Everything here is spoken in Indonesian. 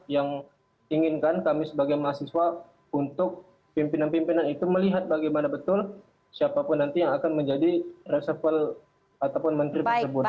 yang inginkan kami sebagai mahasiswa untuk pimpinan pimpinan itu melihat bagaimana betul siapapun nanti yang akan menjadi reserve ataupun menteri tersebut